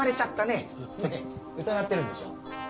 ねえ疑ってるんでしょ？